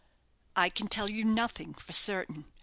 "I can tell you nothing for certain.